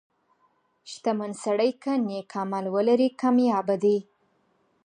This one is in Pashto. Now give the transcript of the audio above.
• شتمن سړی که نیک عمل ولري، کامیابه دی.